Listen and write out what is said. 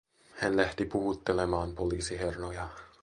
Hän lähti puhuttelemaan poliisiherroja.